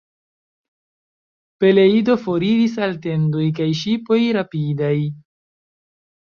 Peleido foriris al tendoj kaj ŝipoj rapidaj.